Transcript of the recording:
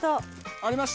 ありました？